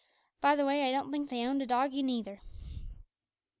By the way, I don't think they owned a doggie neither."